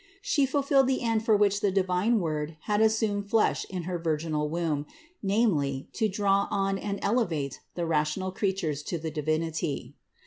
She ful filled the end for which the divine Word had assumed flesh in her virginal womb, namely, to draw on and ele vate the rational creatures to the Divinity.